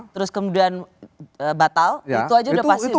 terus kemudian batal itu aja udah pasti